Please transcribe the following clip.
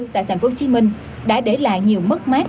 tại tp hcm đã để lại nhiều mất mát